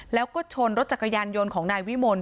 แล้วก็ชนรถจักรยานยนต์ของนายวิมล